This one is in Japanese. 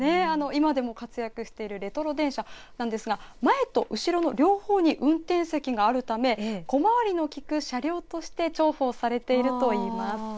今でも活躍しているレトロ電車なんですが前と後ろの両方に運転席があるため小回りの利く車両として重宝されているといいます。